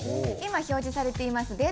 今表示されています